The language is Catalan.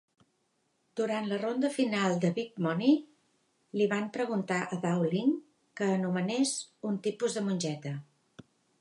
Durant la ronda final de "Big Money", li van preguntar a Dowling que anomenés "un tipus de mongeta".